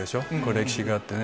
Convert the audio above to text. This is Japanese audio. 歴史があってね。